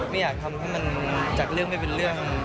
ไม่อยากทำให้มันจากเรื่องไม่เป็นเรื่อง